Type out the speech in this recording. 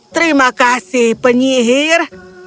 terima kasih penyihir